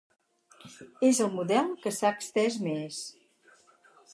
És el model que s'ha estès més.